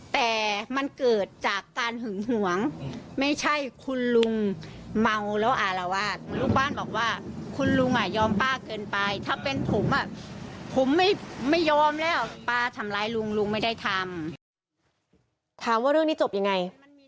ถามว่าเรื่องนี้จบยังไง